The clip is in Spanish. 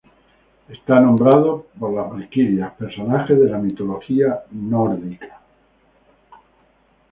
Está nombrado por las valquirias, personajes de la mitología nórdica.